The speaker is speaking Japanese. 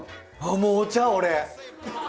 もうお茶俺。